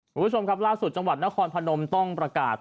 คุณผู้ชมครับล่าสุดจังหวัดนครพนมต้องประกาศ